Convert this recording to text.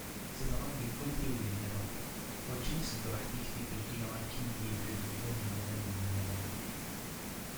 Zedɣen deg umtiweg-nniḍen, urǧin i asen-d-truḥ tikti belli akkin i yillel, llan yimdanen-nniḍen.